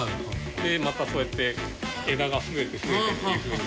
でまたそうやって枝が増えて増えてっていうふうに。